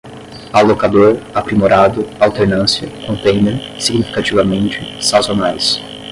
alocador, aprimorado, alternância, contêiner, significativamente, sazonais